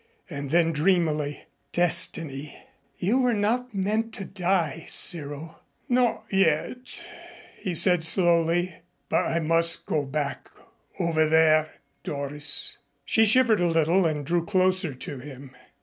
And then dreamily, "Destiny! You were not meant to die, Cyril." "Not yet." He said slowly: "But I must go back over there, Doris." She shivered a little and drew closer to him.